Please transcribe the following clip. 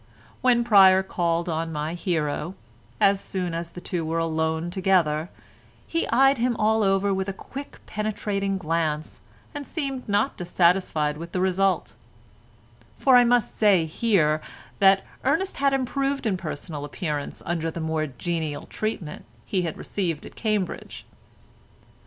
When Pryer called on my hero, as soon as the two were alone together, he eyed him all over with a quick penetrating glance and seemed not dissatisfied with the result—for I must say here that Ernest had improved in personal appearance under the more genial treatment he had received at Cambridge.